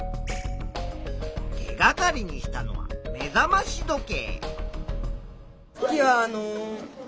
手がかりにしたのは目覚まし時計。